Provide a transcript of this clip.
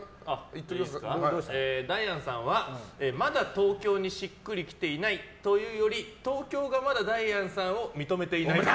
ダイアンさんは、まだ東京にしっくりきていないというより東京がまだダイアンさんを認めていないっぽい。